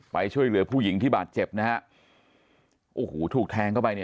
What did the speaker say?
ช่วยเหลือผู้หญิงที่บาดเจ็บนะฮะโอ้โหถูกแทงเข้าไปเนี่ย